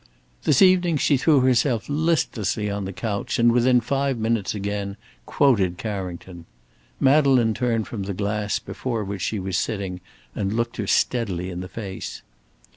This evening she threw herself listlessly on the couch, and within five minutes again quoted Carrington. Madeleine turned from the glass before which she was sitting, and looked her steadily in the face.